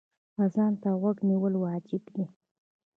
اذان ته غوږ نیول واجب دی.